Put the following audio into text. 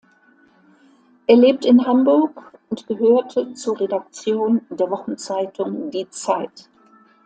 Er lebt in Hamburg und gehörte zur Redaktion der Wochenzeitung Die Zeit.